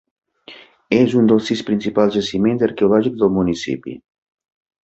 És un dels sis principals jaciments arqueològics del municipi.